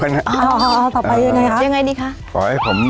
ต่อไปยังไงครับ